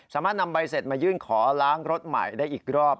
สามารถนำใบเสร็จมายื่นขอล้างรถใหม่ได้อีกรอบ